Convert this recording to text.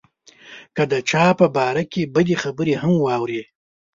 که د چا په باره کې بدې خبرې هم واوري.